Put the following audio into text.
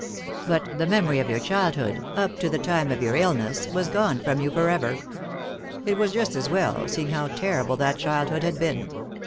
But the memory of your childhood, up to the time of your illness, was gone from you for ever. It was just as well, seeing how terrible that childhood had been.